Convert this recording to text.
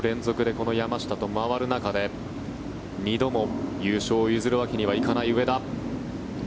２週連続でこの山下と回る中で２度も優勝を譲るわけにはいかない上田。